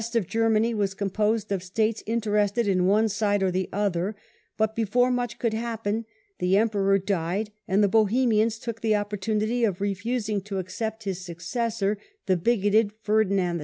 of Germany was composed of states interested in one side or the other; but before much could happen the Em The Bohemian peror died, and the Bohemians took the oppor Eiection. 1619. tunity of refusing to accept his successor, the bigoted Ferdinand II.